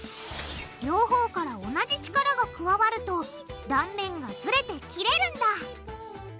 両方から同じ力が加わると断面がずれて切れるんだ。